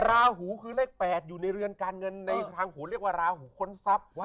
ราหูคือเลข๘อยู่ในเรือนการเงินในทางหูเรียกว่าราหูค้นทรัพย์